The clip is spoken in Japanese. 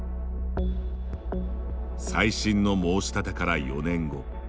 再審の申し立てから４年後。